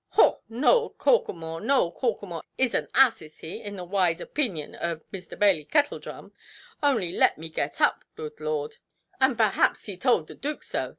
"Haw! Nowell Corklemore, Nowell Corklemore is an ass, is he, in the wise opeenion of Mr. Bailey Kettledrum? Only let me get up, good Lord—and perhaps he told the Dook so.